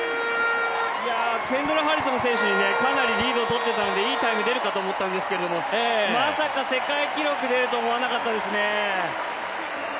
ケンドラ・ハリソン選手にかなりリードをとっていたのでいいタイム出るかと思ったんですが、まさか世界記録が出るとは思わなかったですね。